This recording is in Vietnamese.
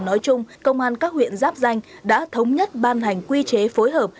nói chung công an các huyện giáp danh đã thống nhất ban hành quy chế phối hợp